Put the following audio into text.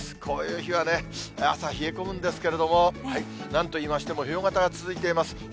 こういう日は朝、冷え込むんですけれども、なんと言いましても、冬型が続いています。